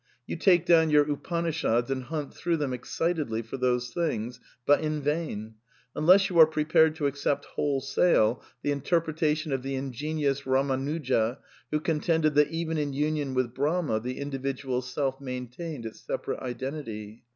You take down your TJpanishads and hunt through them ex citedly for those things, but in vain ; unless you are pre pared to accept wholesale the interpretation of the in genious Eamanuja, who contended that even in union with Brahma the individual self maintained its separate identity.